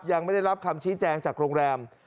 ยังไม่ได้รับคำชี้แจงจากโรงแรม